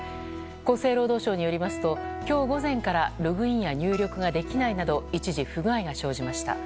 厚生労働省によりますと今日午前からログインや入力ができないなど一時、不具合が生じました。